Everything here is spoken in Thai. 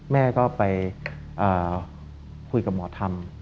แม่ก็ไปคุยกับหมอธรรม